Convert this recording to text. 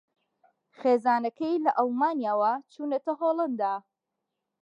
خێزانەکەی لە ئەڵمانیاوە چوونەتە ھۆڵەندا